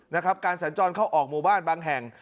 นะครับการสัญจรเข้าออกหมู่บ้านบางแห่ง